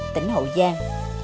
tỉnh hậu giang